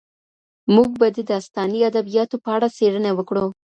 موږ به د داستاني ادبیاتو په اړه څېړنه وکړو.